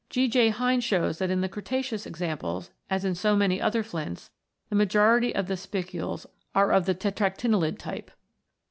G. J. Hindeteo) shows that in the Cretaceous examples, as in so many other flints, the majority of the spicules are of the tetractinellid type.